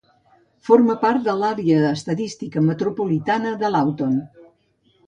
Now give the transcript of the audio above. Forma part de l'Àrea Estadística Metropolitana de Lawton.